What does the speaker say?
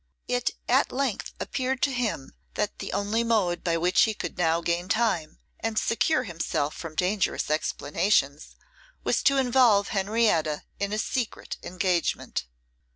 It at length appeared to him that the only mode by which he could now gain time, and secure himself from dangerous explanations, was to involve Henrietta in a secret engagement.